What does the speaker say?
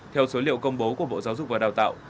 theo số liệu công bố của bộ giáo dục và đào tạo